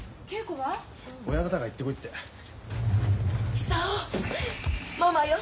久男ママよ。